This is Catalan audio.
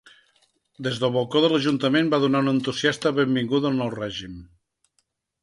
Des del balcó de l'Ajuntament va donar una entusiasta benvinguda al nou règim.